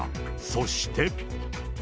そして。